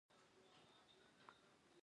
اکوا اپین وی یو بل مشهور رومي ساختمان و.